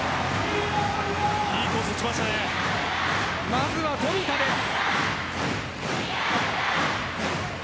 まずは富田です。